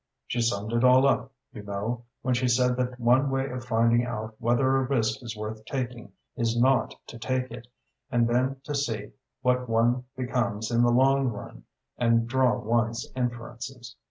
"She summed it all up, you know, when she said that one way of finding out whether a risk is worth taking is not to take it, and then to see what one becomes in the long run, and draw one's inferences.